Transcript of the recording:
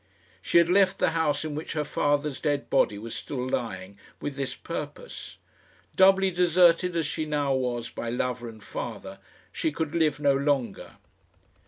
She had left the house in which her father's dead body was still lying, with this purpose. Doubly deserted as she now was by lover and father, she could live no longer.